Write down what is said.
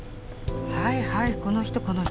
はいはいこの人この人。